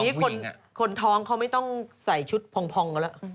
นี่คนท้องเขาไม่ต้องใส่ชุดพองกันแล้ว